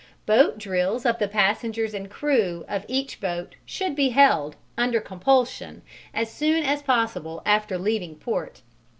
Boat drills of the passengers and crew of each boat should be held, under compulsion, as soon as possible after leaving port.